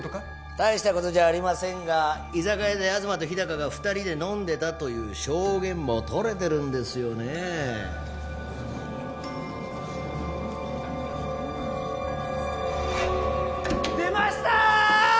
大したことじゃありませんが居酒屋で東と日高が２人で飲んでたという証言もとれてるんですよね出ました！